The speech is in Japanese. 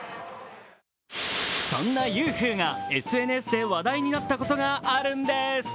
そんなユーフーがＳＮＳで話題になったことがあるんです。